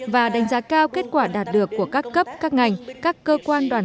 và đánh giá cao kết quả đạt được của các cấp các ngành các cơ quan đoàn